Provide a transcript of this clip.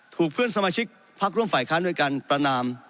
เพื่อนสมาชิกพักร่วมฝ่ายค้านด้วยการประนาม